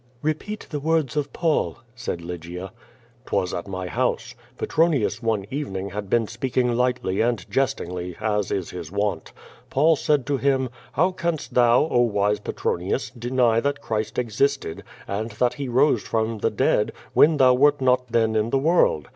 "Repeat the words of Paul," said Lygia. "'Twas at my house. Petronius one evening had been speaking lightly and jestingly as is his wont. Paul said to him, *How canst thou, oh, wise Petronius, deny that Clirist existed, and that he rose from the dead, when thou wert not (JVO VADrs, 289 then in the world?